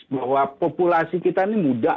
bahwa populasi kita ini mudah